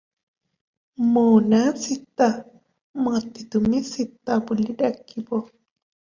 ମୋ ନା' ସୀତା, ମତେ ତୁମେ ସୀତା ବୋଲି ଡାକିବ ।